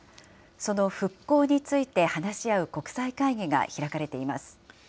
その復興について話し合う国際会議が開かれています。